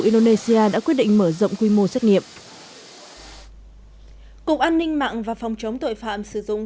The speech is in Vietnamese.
indonesia đã quyết định mở rộng quy mô xét nghiệm cục an ninh mạng và phòng chống tội phạm sử dụng